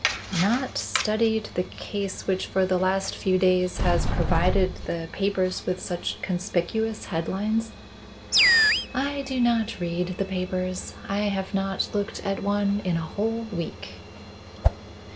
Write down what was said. "Not studied the case which for the last few days has provided the papers with such conspicuous headlines?" "I do not read the papers. I have not looked at one in a whole week."